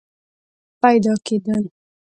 پیدا کېدل